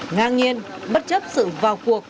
ngang nhiên bất chấp sự vào cuộc